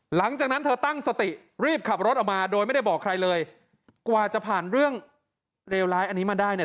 หลังจากนั้นเธอตั้งสติรีบขับรถออกมาโดยไม่ได้บอกใครเลยกว่าจะผ่านเรื่องเลวร้ายอันนี้มาได้เนี่ย